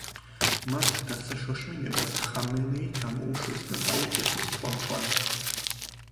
მათ დასაშოშმინებლად ხამენეი გამოუშვეს და დაუწესეს თვალთვალი.